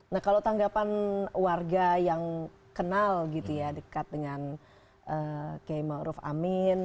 nah kalau tanggapan warga yang kenal gitu ya dekat dengan kay ma'ruf amin